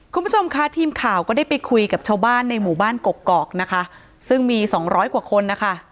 คุณผู้ชมค่ะทีมข่าวก็ได้ไปคุยกับชาวบ้านในหมู่บ้านกกอกนะคะซึ่งมีสองร้อยกว่าคนนะคะ